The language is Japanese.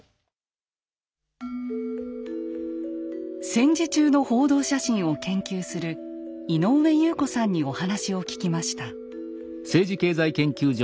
戦時中の報道写真を研究する井上祐子さんにお話を聞きました。